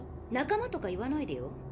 仲間とか言わないでよ。